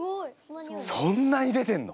そんなに出てんの？